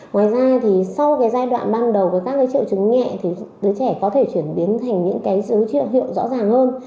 ngoài ra thì sau cái giai đoạn ban đầu với các cái triệu chứng nhẹ thì đứa trẻ có thể chuyển biến thành những cái sự triệu hiệu rõ ràng hơn